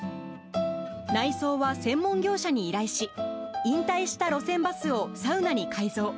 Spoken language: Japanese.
内装は専門業者に依頼し、引退した路線バスをサウナに改造。